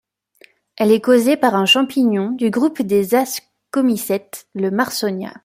Elle est causée par un champignon du groupe des ascomycètes, le Marsonia.